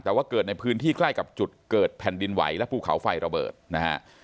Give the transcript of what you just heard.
แต่ว่าเกิดในพื้นที่ใกล้กับจุดเกิดแผ่นดินไหวและภูเขาไฟระเบิดนะฮะ